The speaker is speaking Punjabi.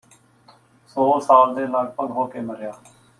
ਸੋ ਸਾਲ ਦੇ ਲਗਭਗ ਹੋ ਕੇ ਮਰਿਆ